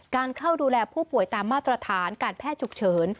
เข้าดูแลผู้ป่วยตามมาตรฐานการแพทย์ฉุกเฉิน